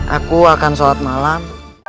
aku akan sholat malam